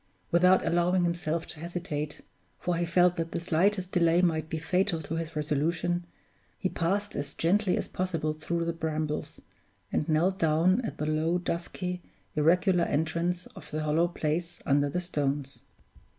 Without allowing himself to hesitate (for he felt that the slightest delay might be fatal to his resolution), he passed as gently as possible through the brambles, and knelt down at the low, dusky, irregular entrance of the hollow place under the stones.